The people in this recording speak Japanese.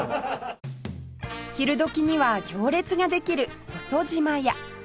昼時には行列ができるほそ島や